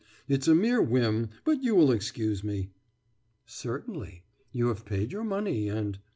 It's a mere whim, but you will excuse me....« »Certainly. You have paid your money and....